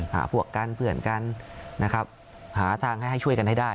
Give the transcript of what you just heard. หาพวกกันเพื่อนกันนะครับหาทางให้ช่วยกันให้ได้